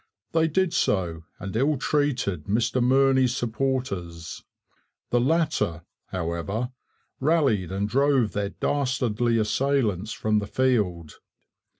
They did so and ill treated Mr Murney's supporters. The latter, however, rallied and drove their dastardly assailants from the field.